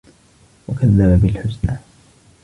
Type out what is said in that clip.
وَكَذَّبَ بِالحُسنى